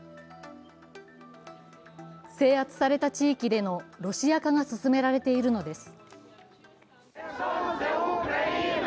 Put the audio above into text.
制圧された地域でのロシア化が進められているのです。